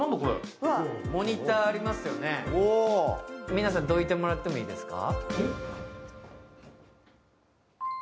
モニターありますよね、皆さんどいてもらってもいいですか？